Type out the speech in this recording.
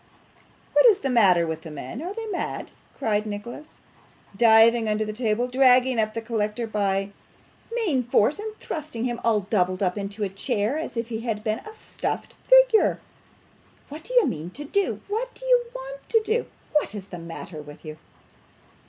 'What is the matter with the men! Are they mad?' cried Nicholas, diving under the table, dragging up the collector by main force, and thrusting him, all doubled up, into a chair, as if he had been a stuffed figure. 'What do you mean to do? What do you want to do? What is the matter with you?